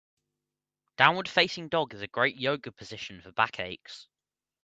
Downward facing dog is a great Yoga position for back aches.